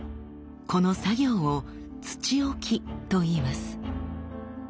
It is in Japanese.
この作業を土置きといいます。